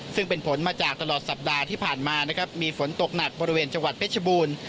ซึ่งเป็นผลมาจากตลอดสัปดาห์ที่ผ่านมานะครับมีฝนตกหนักบริเวณจังหวัดเพชรบูรณ์